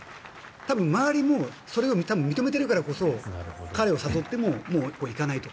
多分、周りもそれを多分認めてるからこそ彼を誘ってももう行かないと。